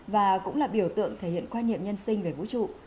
và cũng là biểu tượng thể hiện quan niệm nhân sinh về vũ trụ